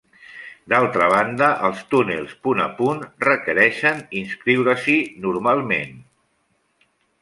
D'altra banda, els túnels punt a punt requereixen inscriure-s'hi, normalment.